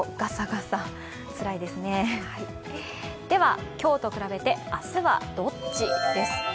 では、今日と比べて明日はどっち？です。